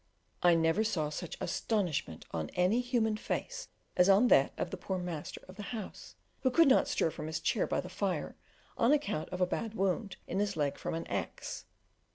I never saw such astonishment on any human face as on that of the poor master of the house, who could not stir from his chair by the fire, on account of a bad wound in his leg from an axe.